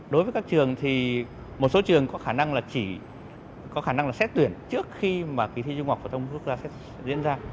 đối với các trường thì một số trường có khả năng là chỉ có khả năng là xét tuyển trước khi mà kỳ thi trung học phổ thông quốc gia sẽ diễn ra